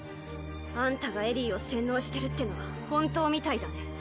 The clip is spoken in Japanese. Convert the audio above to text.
あんたがエリーを洗脳してるってのは本当みたいだね。